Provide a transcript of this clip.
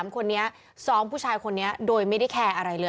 ๓คนนี้ซ้อมผู้ชายคนนี้โดยไม่ได้แคร์อะไรเลย